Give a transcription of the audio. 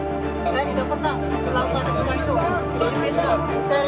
saya tidak pernah melakukan sempurna itu